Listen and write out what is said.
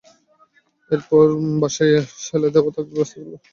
এরপর বাসায় সেলাই দেওয়ার ব্যবস্থা থাকলে সেখানে সেলাই করে নিতে পারো।